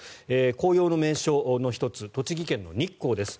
紅葉の名所の１つ栃木県の日光です。